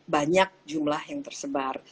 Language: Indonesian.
banyak jumlah yang tersebar